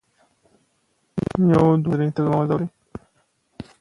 د افغانستان جلکو د افغانانو د تفریح یوه وسیله ده.